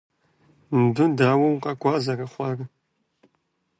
Мыбы дауэ укъэкӀуа зэрыхъуар?